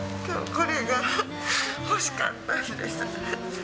これが欲しかったんです。